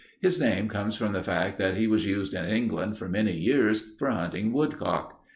His name comes from the fact that he was used in England for many years for hunting woodcock.